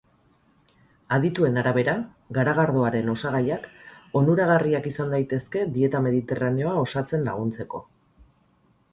Adituen arabera, garagardoaren osagaiak onuragarriak izan daitezke dieta mediterraneoa osatzen laguntzeko.